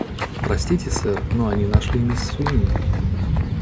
Простите, сэр, но они нашли мисс Суини.